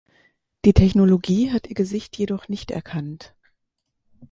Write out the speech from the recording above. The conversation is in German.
Die Technologie hat ihr Gesicht jedoch nicht erkannt.